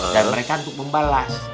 dan mereka untuk membalas